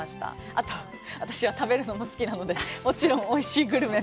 あと、私は食べるのも好きなのでもちろん、おいしいグルメも。